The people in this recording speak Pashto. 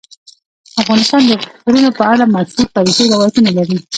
افغانستان د غرونه په اړه مشهور تاریخی روایتونه لري.